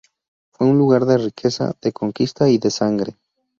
Fue un lugar de riqueza, de conquista y de sangre.